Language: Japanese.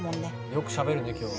「よくしゃべるね今日は」